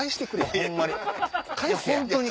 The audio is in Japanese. ホンマに。